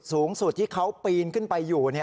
สูงสุดที่เค้าปีนขึ้นไปอยู่เนี่ย